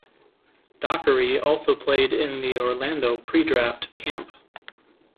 Dockery also played in the Orlando Pre-Draft Camp.